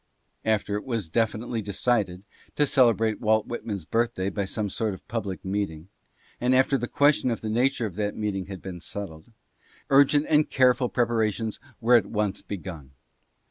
After it was definitely decided to celebrate Walt Whitman's birthday by some sort of public meeting, and after the question of the nature of that meeting had been settled, urgent and care ful preparations were at once begun.